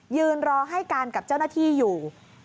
ยืนรอให้การกับเจ้าหน้าที่อยู่